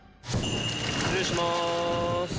失礼します。